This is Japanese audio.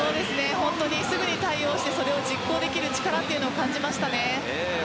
本当にすぐに対応してそれを実行できる力を感じました。